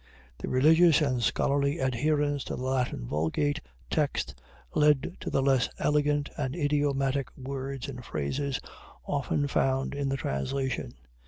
The religious and scholarly adherence to the Latin Vulgate text led to the less elegant and idiomatic words and phrases often found in the translation.